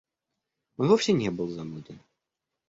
Он вовсе не был зануден.